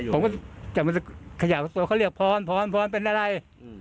ผมก็จำเป็นตัวเขาเรียกพรพรพรเป็นอะไร